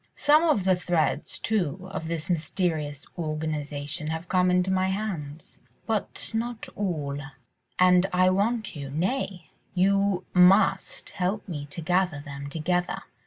Some of the threads, too, of this mysterious organisation have fallen into my hands, but not all, and I want you—nay! you must help me to gather them together."